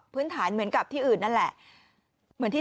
พื้นฐานเหมือนกับที่อื่นนั่นแหละ